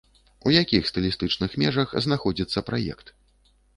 У якіх стылістычных межах знаходзіцца праект?